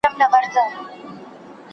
جاذبه ښه ده،